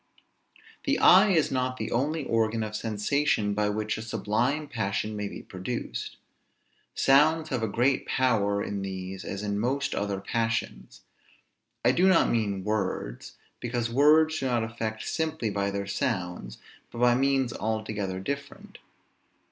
The eye is not the only organ of sensation by which a sublime passion may be produced. Sounds have a great power in these as in most other passions. I do not mean words, because words do not affect simply by their sounds, but by means altogether different.